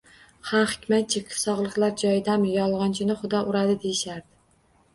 Ha, Hikmatchik, sogʻliklar joyidami? Yolgʻonchini Xudo uradi, deyishardi.